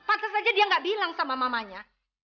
patah saja dia gak bilang sama mamanya